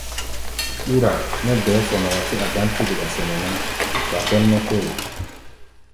Ɓúra nɛ́ bɛɛ́ fɔ nɛ wa tɛ́ a gbán-té geɗa sɛnɛ ná, wa pɛ́m nɛ́ kóro.